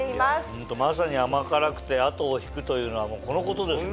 ホントまさに甘辛くて後を引くというのはこのことですね。